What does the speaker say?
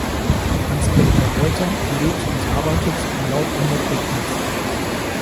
Hans Peter Reuter lebt und arbeitet in Lauf an der Pegnitz.